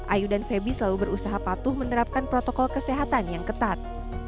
ayu dan febi selalu berusaha patuh menerapkan protokol kesehatan yang ketat